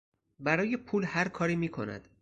برای پول هر کاری میکند.